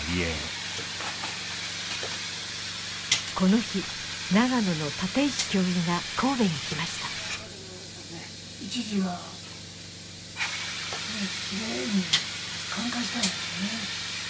この日長野の立石教諭が神戸に来ました一時はキレイに寛解したんやけどね。